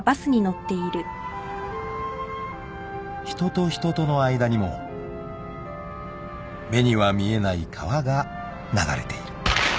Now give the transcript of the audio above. ［人と人との間にも目には見えない川が流れている］